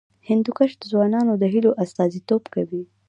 هندوکش د ځوانانو د هیلو استازیتوب کوي.